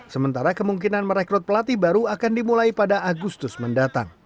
sementara kemungkinan merekrut pelatih baru akan dimulai pada agustus mendatang